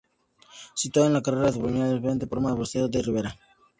Situado en la carretera provincial entre Medina de Pomar y Bóveda de la Ribera.